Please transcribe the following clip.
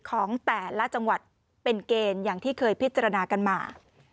ของแต่ละจังหวัดเป็นเกณฑ์อย่างที่เคยพิจารณากันมา